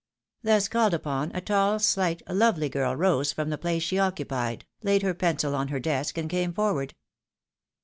Thus called upon, a tall, slight, lovely girl rose from the place she occupied, laid her pencil on her desk, and came forward.